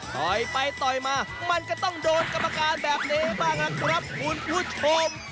ต่อยไปต่อยมามันก็ต้องโดนกรรมการแบบนี้บ้างนะครับคุณผู้ชม